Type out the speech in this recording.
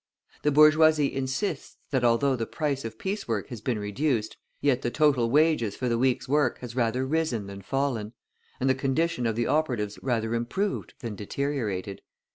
The bourgeoisie insists that although the price of piece work has been reduced, yet the total of wages for the week's work has rather risen than fallen, and the condition of the operatives rather improved than deteriorated.